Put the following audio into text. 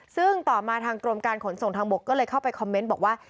ซึ่งต่อมาทางกรมการขนส่งทางบกก็เลยเข้าไปคอมเมนต์บอกว่า